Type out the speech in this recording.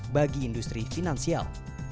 bagi industri finansial